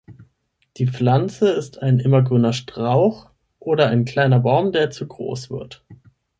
Die Pflanze ist ein immergrüner Strauch oder ein kleiner Baum, der zu groß wird.